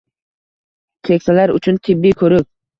Keksalar uchun tibbiy ko‘rik